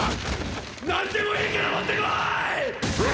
何でもいいから持って来い！！